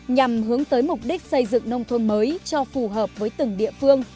nhằm hướng tới mục đích xây dựng nông thôn mới cho phù hợp với từng địa phương